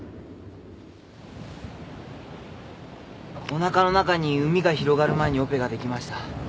おなかの中にうみが広がる前にオペができました。